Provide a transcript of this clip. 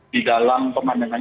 di dalam pemandangan